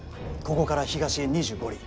ここから東へ２５里。